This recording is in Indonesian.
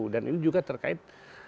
dan ini juga terkait